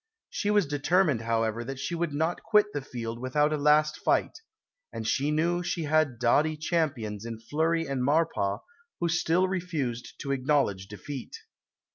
She was determined, however, that she would not quit the field without a last fight, and she knew she had doughty champions in Fleury and Maurepas, who still refused to acknowledge defeat.